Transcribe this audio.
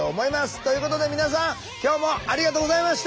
ということで皆さん今日もありがとうございました。